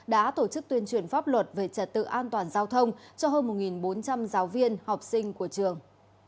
đã tổ chức tuyên truyền pháp luật về trật tự an toàn giao thông cho hơn một bốn trăm linh giáo viên học sinh của trường